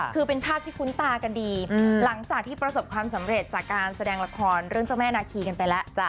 คือเป็นภาพที่คุ้นตากันดีหลังจากที่ประสบความสำเร็จจากการแสดงละครเรื่องเจ้าแม่นาคีกันไปแล้ว